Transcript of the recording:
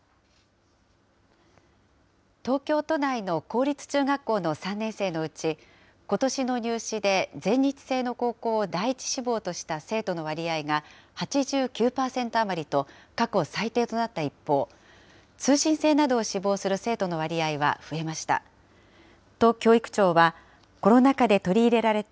東京都内の公立中学校の３年生のうち、ことしの入試で全日制の高校を第１志望とした生徒の割合が８９％余りと、過去最低となった一方、通信制などを志望する生徒の割合は増えました。